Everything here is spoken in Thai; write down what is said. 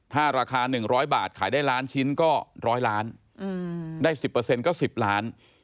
ถ้าราคา๑๐๐บาทขายได้ล้านชิ้นก็๑๐๐ล้านได้๑๐ก็๑๐ล้าน